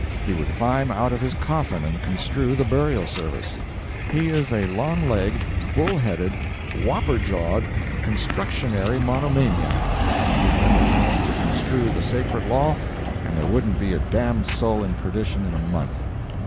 He would climb out of his coffin and construe the burial service. He is a long legged, bull headed, whopper jawed, constructionary monomaniac. Give him a chance to construe the sacred law, and there wouldn't be a damned soul in perdition in a month.